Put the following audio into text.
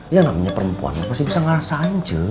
ya namanya perempuan pasti bisa ngerasain ce